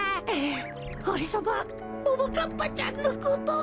おれさまはももかっぱちゃんのことが。